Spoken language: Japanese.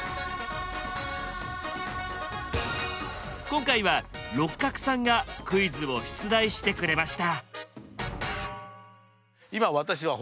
今回は六角さんがクイズを出題してくれました。